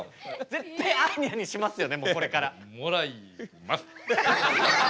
絶対アーニャにしますよねこれから。もらいます。